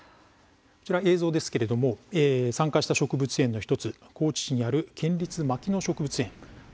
こちら映像は参加した植物園の１つ高知市にある県立牧野植物園です。